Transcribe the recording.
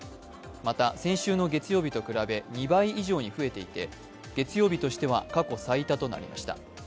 また、先週の月曜日と比べ２倍以上に増えていて、月曜日としては過去最多となりました。